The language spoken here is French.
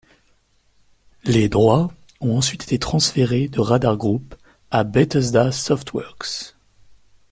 Les droits ont ensuite été transférés de Radar Group à Bethesda Softworks.